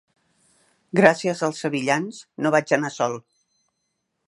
Gràcies als sevillans, no vaig anar sol.